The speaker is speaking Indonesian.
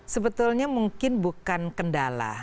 sebetulnya mungkin bukan kendala